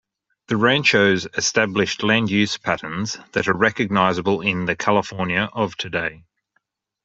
The ranchos established land-use patterns that are recognizable in the California of today.